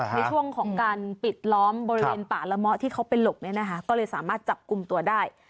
ในช่วงของการปิดล้อมบริเวณป่าละเมาะที่เขาไปหลบเนี่ยนะคะก็เลยสามารถจับกลุ่มตัวได้